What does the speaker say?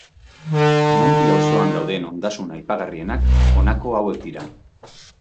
Monti auzoan dauden ondasun aipagarrienak honako hauek dira.